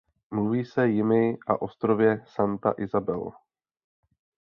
Mluví se jimi a ostrově Santa Isabel.